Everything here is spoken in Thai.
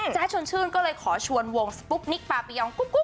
แจสต์ชวนชื่นก็เลยขอชวนวงสปุ๊ปนิกปาปีอ่อง